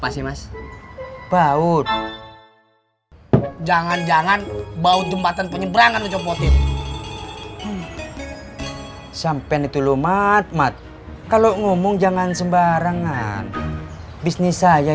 sampai jumpa di video selanjutnya